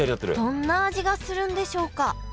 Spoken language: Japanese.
どんな味がするんでしょうか？